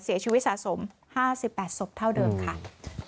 เสียชีวิตสะสมห้าสิบแปดศพเท่าเดิมค่ะอ่า